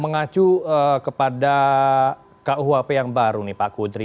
mengacu kepada kuhp yang baru nih pak kudri